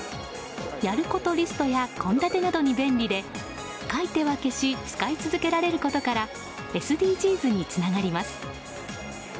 やることリストや献立などに便利で書いては消し使い続けられることからＳＤＧｓにつながります。